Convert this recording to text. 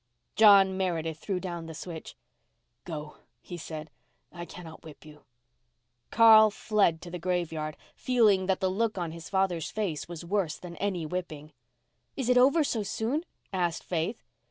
John Meredith threw down the switch. "Go," he said, "I cannot whip you." Carl fled to the graveyard, feeling that the look on his father's face was worse than any whipping. "Is it over so soon?" asked Faith.